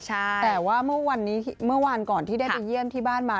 แต่ว่าเมื่อวานก่อนที่ได้ไปเยี่ยมที่บ้านมา